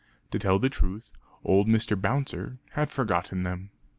To tell the truth old Mr. Bouncer had forgotten them.